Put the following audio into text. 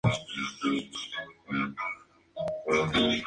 Son de naturaleza activos, encuentran placer en nuevas experiencias.